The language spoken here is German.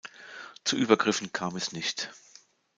Zu Übergriffen kam es nicht.